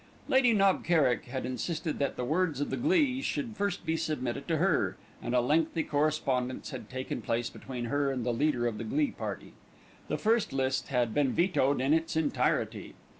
Lady Knob Kerrick had insisted that the words of the glees should first be submitted to her, and a lengthy correspondence had taken place between her and the leader of the glee party. The first list had been vetoed in its entirety.